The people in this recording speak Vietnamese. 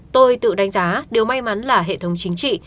tôi tự đánh giá điều may mắn là hệ thống chính trị